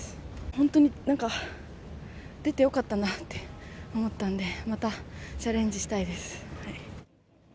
本当に出てよかったなって思ったのでまたチャレンジしたいです。